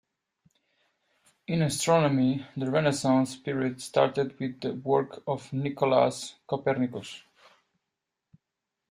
In astronomy, the renaissance period started with the work of Nicolaus Copernicus.